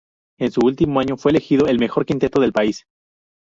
En su último año fue elegido en el mejor quinteto del país.